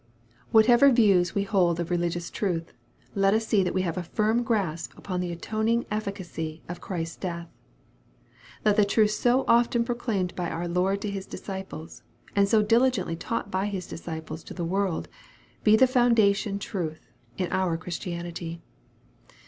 Whatever views we hold of re ligious truth, let us see that we have a firm grasp upon the atoning efficacy of Christ's death. Let the truth so often proclaimed by our Lord to His disciples, and so diligently taught by the disciples to the world, be the foundation truth in our Christianity.